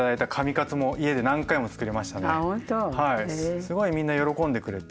すごいみんな喜んでくれて。